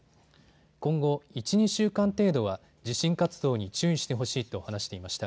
今後、１、２週間程度は地震活動に注意してほしいと話していました。